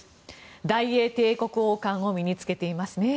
大英帝国王冠を身に着けていますね。